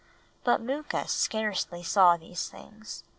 But Mooka scarcely saw these things.